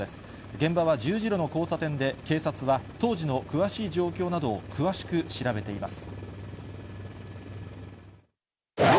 現場は十字路の交差点で、警察は当時の詳しい状況などを詳しく調べています。